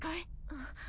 あっ。